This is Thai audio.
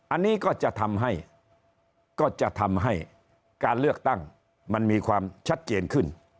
อันนี้ก็จะทำให้ก็จะทำให้การเลือกตั้งมันมีความชัดเจนขึ้น